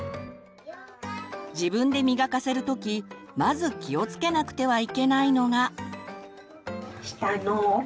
自分で磨かせるときまず気をつけなくてはいけないのが。